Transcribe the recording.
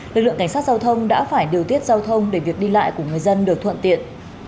lực lượng cảnh sát giao thông đã phải điều tiết giao thông để việc đi lại của người dân được thuận tiện